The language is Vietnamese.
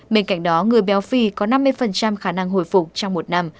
bên cạnh đó người béo phì có năm mươi khả năng hồi phục trong một năm